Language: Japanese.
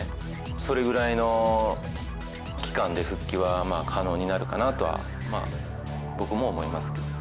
それぐらいの期間で復帰はまあ、可能になるかなとは、僕も思いま